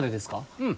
うん。